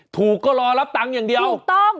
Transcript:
ถูกก็รอรับตังค์อย่างเดียวถูกต้อง